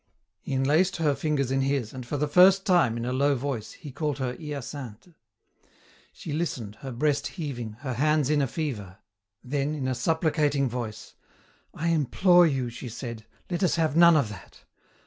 He enlaced her fingers in his, and for the first time, in a low voice, he called her Hyacinthe. She listened, her breast heaving, her hands in a fever. Then in a supplicating voice, "I implore you," she said, "let us have none of that.